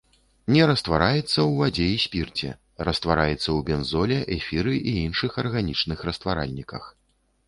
Не раствараецца ў вадзе і спірце, раствараецца ў бензоле, эфіры і іншых арганічных растваральніках.